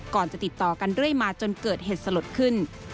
ก่อนจะติดต่อกันเรื่อยมาจนเกิดเหตุสลดขึ้น